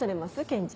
検事。